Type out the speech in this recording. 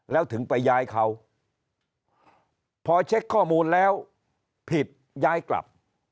แล้วถึงไปย้ายเขาพอเช็คข้อมูลแล้วผิดย้ายกลับ